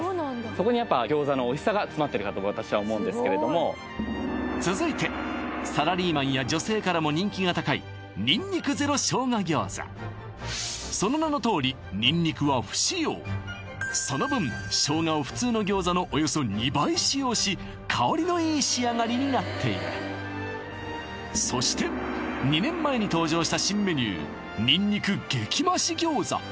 そこにやっぱ餃子のおいしさが詰まってるなと私は思うんですけれども続いてサラリーマンや女性からも人気が高いその名のとおりその分生姜を普通の餃子のおよそ２倍使用し香りのいい仕上がりになっているそして２年前に登場した新メニュー